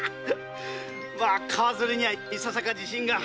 まあ川釣りにはいささか自信が。